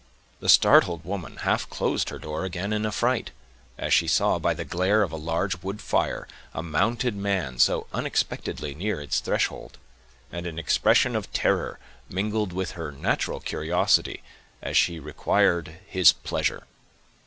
The startled woman half closed her door again in affright, as she saw, by the glare of a large wood fire, a mounted man so unexpectedly near its threshold; and an expression of terror mingled with her natural curiosity, as she required his pleasure.